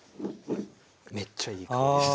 めっちゃいい感じです。